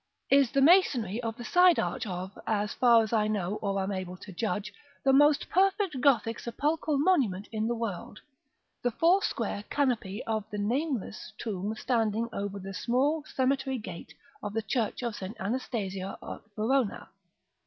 XXXIV. is the masonry of the side arch of, as far as I know or am able to judge, the most perfect Gothic sepulchral monument in the world, the foursquare canopy of the (nameless?) tomb standing over the small cemetery gate of the Church of St. Anastasia at Verona.